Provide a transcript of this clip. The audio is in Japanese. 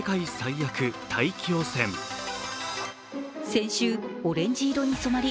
先週、オレンジ色に染まり